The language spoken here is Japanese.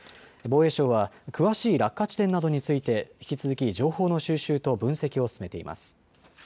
防衛省は詳しい落下地点などについて引き続き情報の収集と分析を進めています。